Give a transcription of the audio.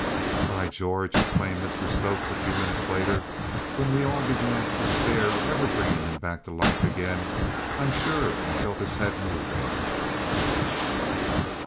"By George!" exclaimed Mr Stokes, a few minutes later when we all began to despair of ever bringing him back to life again. "I'm sure I felt his head move then!"